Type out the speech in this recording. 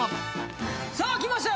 さあ来ましたよ